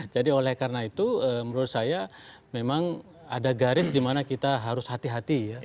jadi oleh karena itu menurut saya memang ada garis dimana kita harus hati hati ya